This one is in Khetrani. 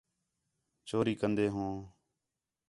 چوری کندے ہوں